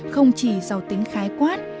không chỉ giàu tính khái quát